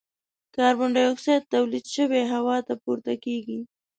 کاربن ډای اکسایډ تولید شوی هوا ته پورته کیږي.